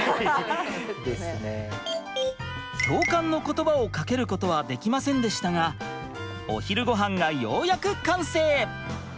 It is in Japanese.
共感の言葉をかけることはできませんでしたがお昼ごはんがようやく完成！